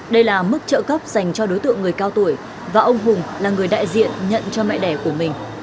đây là mức trợ cấp dành cho đối tượng người cao tuổi và ông hùng là người đại diện nhận cho mẹ đẻ của mình